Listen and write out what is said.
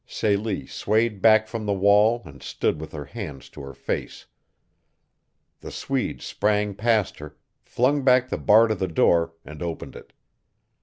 Celie swayed back from the wall and stood with her hands to her face. The Swede sprang past her, flung back the bar to the door, and opened it.